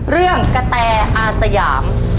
เรื่องกระแต่อาสยาม